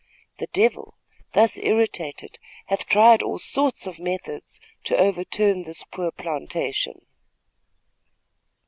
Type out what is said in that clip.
The devil, thus irritated, hath tried all sorts of methods to overturn this poor plantation."